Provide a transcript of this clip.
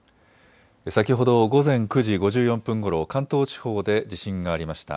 先ほど午前９時５４分ごろ、関東地方で地震がありました。